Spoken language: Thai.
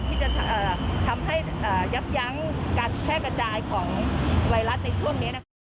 ที่จะทำให้ยับยั้งการแพร่กระจายของไวรัสในช่วงนี้นะคะ